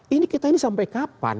ini kita ini sampai kapan